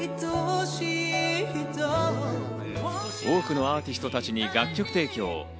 多くのアーティストたちに楽曲を提供。